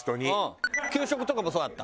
給食とかもそうだった。